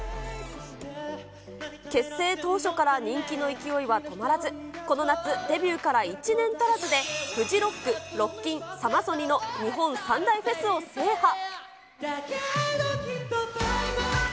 結成当初から人気の勢いは止まらず、この夏、デビューから１年足らずでフジロック、ロッキン、サマソニの日本三大フェスを制覇。